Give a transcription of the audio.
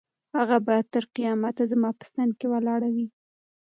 هغه به تر قیامته زما په څنګ کې ولاړه وي.